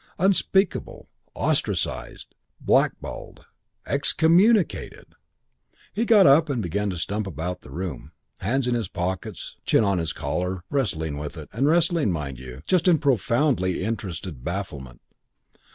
Unspeakable. Ostracized. Blackballed. Excommunicated.' He got up and began to stump about the room, hands in his pockets, chin on his collar, wrestling with it, and wrestling, mind you, just in profoundly interested bafflement.